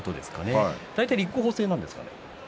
大体立候補制なんですかね。